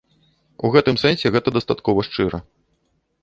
У гэтым сэнсе гэта дастаткова шчыра.